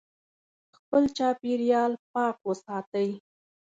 خپل چاپیریال پاک وساتئ.